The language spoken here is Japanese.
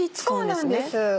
そうなんです。